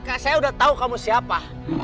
saya udah tau kamu siapa